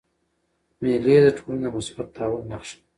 مېلې د ټولني د مثبت تحول نخښه ده.